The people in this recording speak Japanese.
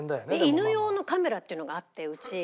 犬用のカメラっていうのがあってうち。